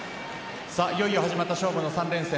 いよいよ始まった勝負の３連戦。